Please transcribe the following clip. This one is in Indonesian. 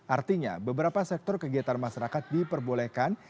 artinya beberapa sektor kegiatan masyarakat diperbolehkan